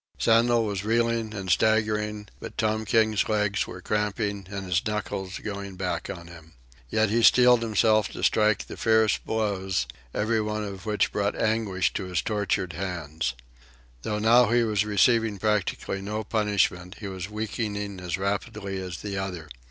Sandel was reeling and staggering, but Tom King's legs were cramping and his knuckles going back on him. Yet he steeled himself to strike the fierce blows, every one of which brought anguish to his tortured hands. Though now he was receiving practically no punishment, he was weakening as rapidly as the other.